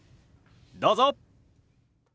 どうぞ！